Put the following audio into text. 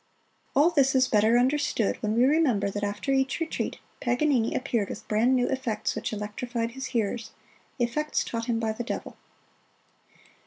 All this is better understood when we remember that after each retreat, Paganini appeared with brand new effects which electrified his hearers "effects taught him by the devil."